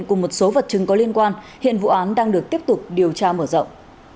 cùng một số vật chứng có liên quan hiện vụ án đang được tiếp tục điều tra mở rộng